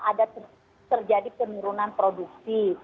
ada terjadi penurunan produksi